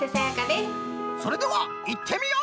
それではいってみよう！